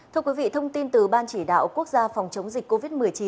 thưa quý vị thông tin từ ban chỉ đạo quốc gia phòng chống dịch covid một mươi chín